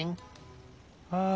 ああ。